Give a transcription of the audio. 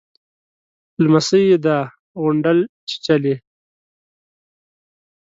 _لمسۍ يې ده، غونډل چيچلې.